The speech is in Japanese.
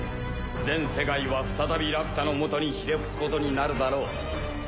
全世界は再びラピュタのもとにひれ伏すことになるだろう。